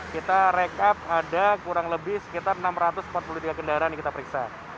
kita rekap ada kurang lebih sekitar enam ratus empat puluh tiga kendaraan yang kita periksa